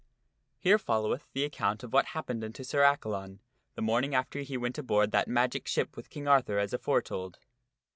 HERE followeth the account of what happened unto Sir Accalon the morning after he went aboard that magic ship with King Arthur as aforetold.